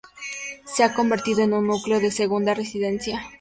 Se ha convertido en un núcleo de segunda residencia.